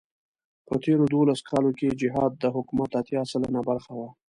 په تېرو دولسو کالو کې جهاد د حکومت اتيا سلنه برخه وه.